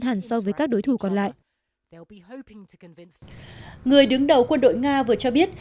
hàn so với các đối thủ còn lại người đứng đầu quân đội nga vừa cho biết